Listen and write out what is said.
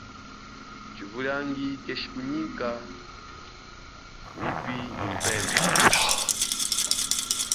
Tshivuliangi keshikunyika wupi nyi upeme.